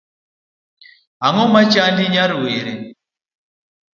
Ang'o machandi nyar were?